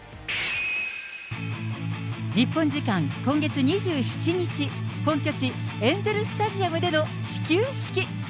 日本時間、今月２７日、本拠地、エンゼル・スタジアムでの始球式。